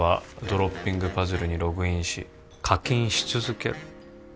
「ドロッピング・パズルにログインし課金し続けろ」